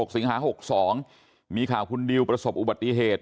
สิงหา๖๒มีข่าวคุณดิวประสบอุบัติเหตุ